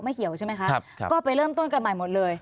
เกี่ยวใช่ไหมคะก็ไปเริ่มต้นกันใหม่หมดเลย